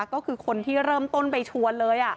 ก็คือคนที่เริ่มต้นไปชวนเลย